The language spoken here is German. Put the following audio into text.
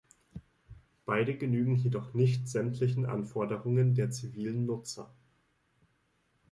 Beide genügen jedoch nicht sämtlichen Anforderungen der zivilen Nutzer.